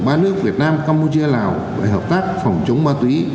ba nước việt nam campuchia lào về hợp tác phòng chống ma túy